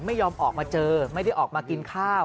ไม่ยอมออกมาเจอไม่ได้ออกมากินข้าว